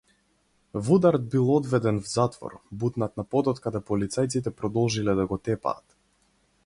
Вудард бил одведен в затвор, бутнат на подот каде полицајците продолжиле да го тепаат.